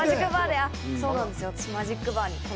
マジックバーで。